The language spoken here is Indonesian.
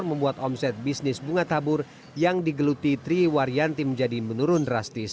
membuat omset bisnis bunga tabur yang digeluti triwaryanti menjadi menurun drastis